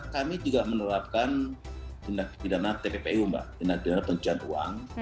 kami juga menerapkan tindak pidana tppu mbak tindak pidana pencucian uang